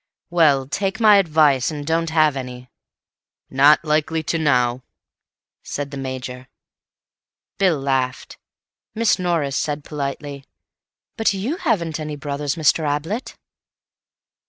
"Well, take my advice, and don't have any." "Not likely to now," said the Major. Bill laughed. Miss Norris said politely: "But you haven't any brothers, Mr. Ablett?"